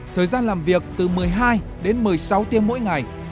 thời gian làm việc từ một mươi hai đến một mươi sáu tiếng mỗi ngày